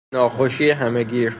ناخوشی همه گیر